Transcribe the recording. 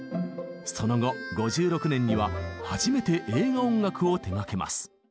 その後５６年には初めて映画音楽を手がけます。